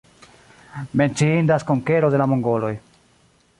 Menciindas konkero de la mongoloj.